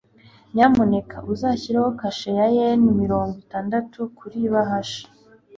nyamuneka uzashyireho kashe ya yen mirongo itandatu kuri ibahasha